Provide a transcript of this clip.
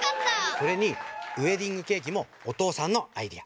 それにウエディングケーキもおとうさんのアイデア。